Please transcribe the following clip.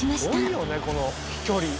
すごいよねこの飛距離。